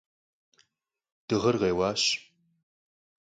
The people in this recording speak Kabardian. Dığer khêuaş.